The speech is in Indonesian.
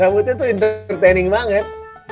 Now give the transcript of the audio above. rambutnya tuh entertaining banget